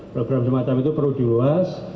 program semacam itu perlu diluas